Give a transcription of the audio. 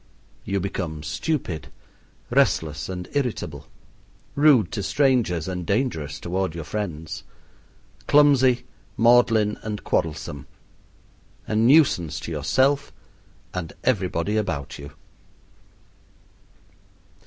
You become stupid, restless, and irritable; rude to strangers and dangerous toward your friends; clumsy, maudlin, and quarrelsome; a nuisance to yourself and everybody about you.